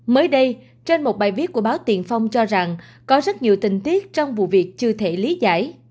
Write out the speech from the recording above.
mới đây trên một bài viết của báo tiền phong cho rằng có rất nhiều tình tiết trong vụ việc chưa thể lý giải